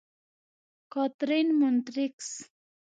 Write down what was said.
کاترین: مونټریکس.